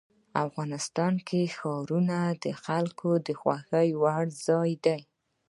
افغانستان کې ښارونه د خلکو د خوښې وړ ځای دی.